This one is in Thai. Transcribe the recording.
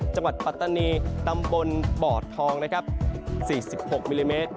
ปัตตานีตำบลบอดทองนะครับ๔๖มิลลิเมตร